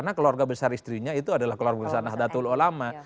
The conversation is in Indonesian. sebenarnya istrinya itu adalah keluarga besar nahdlatul ulama